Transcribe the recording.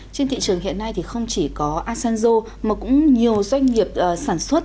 trên thị trường hiện nay thì không chỉ có asanzo mà cũng nhiều doanh nghiệp sản xuất